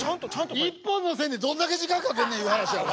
１本の線でどんだけ時間かけんねんいう話やわ。